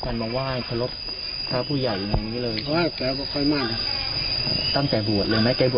เห็นว่าบวชหลายครั้งเลยครับ